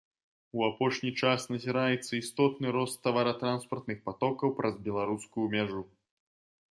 У апошні час назіраецца істотны рост таваратранспартных патокаў праз беларускую мяжу.